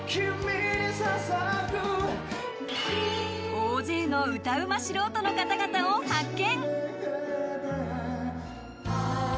大勢の歌うま素人の方々を発見。